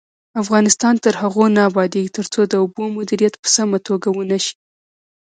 افغانستان تر هغو نه ابادیږي، ترڅو د اوبو مدیریت په سمه توګه ونشي.